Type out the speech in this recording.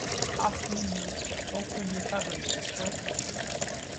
Hoffman notes that Folkman's recovery was short-lived.